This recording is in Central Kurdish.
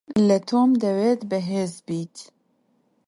لە تۆم دەوێت بەهێز بیت.